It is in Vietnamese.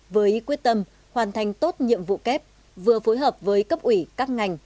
với quyết tâm hoàn thành tốt nhiệm vụ kép vừa phối hợp với cấp ủy các ngành